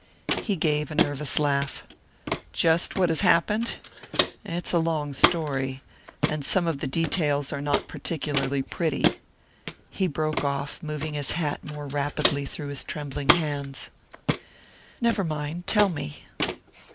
He gave a nervous laugh. "Just what has happened? It's a long story and some of the details are not particularly pretty." He broke off, moving his hat more rapidly through his trembling hands. "Never mind: tell me."